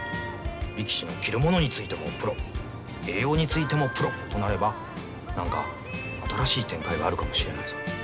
力士の着るものについてもプロ栄養についてもプロとなれば何か新しい展開があるかもしれないぞ。